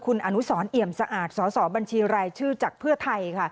คุณอนุสรเอี่ยมสะอาดสอสอบัญชีรายชื่อจากเพื่อไทยค่ะ